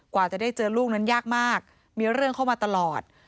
กว่าจะได้เจอลูกนั้นยากมากมีเรื่องเข้ามาตลอด